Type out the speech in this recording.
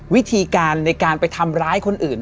วิธีการในการไปทำร้ายคนอื่น